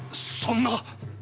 そんな！